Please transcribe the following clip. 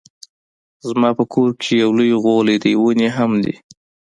زما په کور کې يو لوی غولی دی ونې هم دي